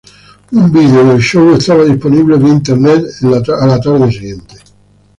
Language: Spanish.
Un vídeo del show estaba disponible vía Internet a la tarde siguiente.